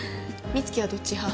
美月はどっち派？